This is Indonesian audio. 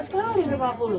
banyak sekali lima puluh